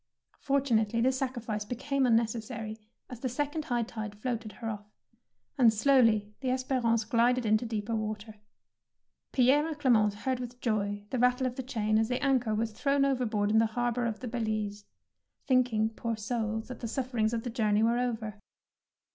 Fortu nately this sacrifice became unneces sary, as the second high tide fioated her off, and slowly the Esperance " glided into deeper water. Pierre and Clem ence heard with joy the rattle of the chain as the anchor was thrown over board in the harbour of the Belize, thinking, poor souls, that the sufferings of the journey were over.